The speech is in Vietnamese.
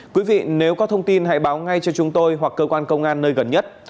quý vị nếu có thông tin hãy báo ngay cho chúng tôi hoặc cơ quan công an nơi gần nhất